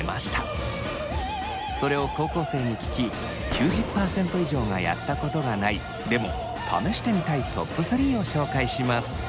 それを高校生に聞き９０％以上がやったことがないでも試してみたいトップ３を紹介します。